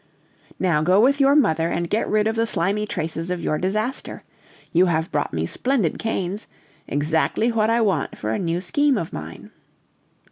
Now go with your mother, and get rid of the slimy traces of your disaster! You have brought me splendid canes, exactly what I want for a new scheme of mine."